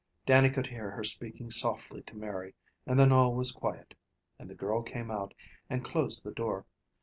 Dannie could hear her speaking softly to Mary, and then all was quiet, and the girl came out and closed the door.